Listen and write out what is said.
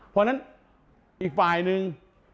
เพราะฉะนั้นอีกฝ่ายนึง